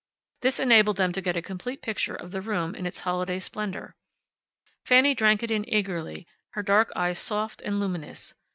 This enabled them to get a complete picture of the room in its holiday splendor. Fanny drank it in eagerly, her dark eyes soft and luminous.